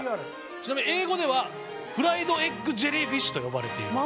ちなみに英語ではフライドエッグ・ジェリーフィッシュと呼ばれている。